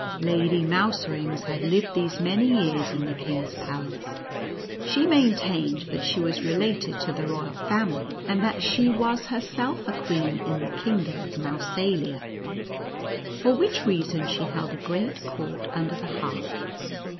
Lady Mouserings had lived these many years in NUTCRACKER AND MOUSE KING. 61 the king's palace. She maintained that she was related to the royal family, and that she was herself a queen in the kingdom of Mousalia, for which reason she held a great court under the hearth.